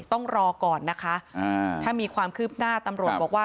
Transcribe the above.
ต้องรอก่อนนะคะถ้ามีความคืบหน้าตำรวจบอกว่า